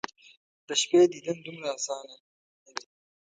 د شپې دیدن دومره اسانه ،نه وي